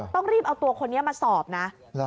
ต้องรีบเอาตัวคนนี้มาสอบนะ